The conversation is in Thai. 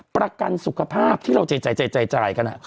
ประกันสุขภาพที่เราจ่ายกัน